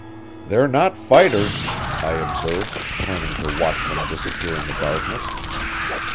"They're not fighters," I observed, turning to watch them disappear in the darkness.